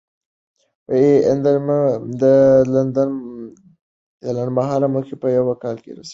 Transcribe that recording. لنډمهاله موخې په یو کال کې رسیږي.